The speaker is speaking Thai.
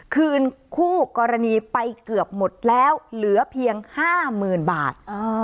คืนคู่กรณีไปเกือบหมดแล้วเหลือเพียง๕๐๐๐บาท